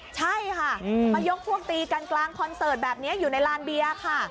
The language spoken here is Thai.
ใช่ค่ะมายกพวกตีกันกลางคอนเสิร์ตแบบนี้อยู่ในลานเบียร์ค่ะ